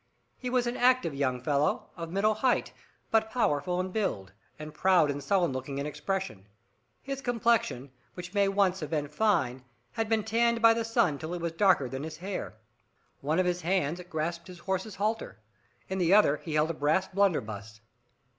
He was an active young fellow, of middle height, but powerful in build, and proud and sullen looking in expression. His complexion, which may once have been fine, had been tanned by the sun till it was darker than his hair. One of his hands grasped his horse's halter. In the other he held a brass blunderbuss.